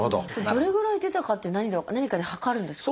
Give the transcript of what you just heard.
どれぐらい出たかって何かで量るんですか？